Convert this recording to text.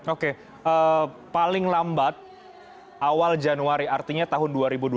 oke paling lambat awal januari artinya tahun dua ribu dua puluh